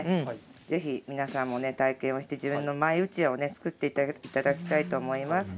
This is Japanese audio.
ぜひ皆さんも体験して自分のマイうちわを作っていただきたいと思います。